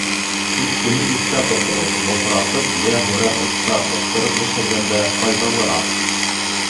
Тик шуны иҫтә тотоғоҙ: боҫратып йә һүрән утта быҡтырып бешергәндә файҙалыраҡ.